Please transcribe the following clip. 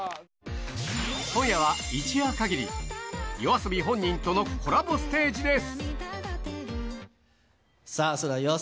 今夜は一夜限りＹＯＡＳＯＢＩ本人とのコラボステージです。